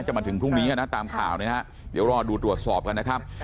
มาถึงพรุ่งนี้นะตามข่าวนะฮะเดี๋ยวรอดูตรวจสอบกันนะครับ